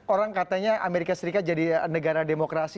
orang katanya amerika serikat jadi negara demokrasi